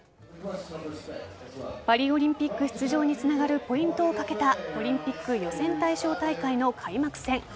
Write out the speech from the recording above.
パリオリンピック出場につながるポイントをかけたオリンピック予選対象大会の開幕戦。